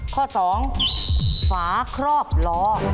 ข้อ๒ฝาครอบล้อ